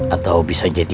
atau bisa jadi